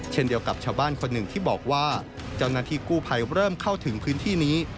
เช่นเดียวกับชาวบ้านคนหนึ่งที่บอกว่าเจ้าหน้าที่กู้ภัยเริ่มเข้าถึงพื้นที่นี้